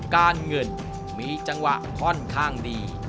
การเงินมีจังหวะค่อนข้างดี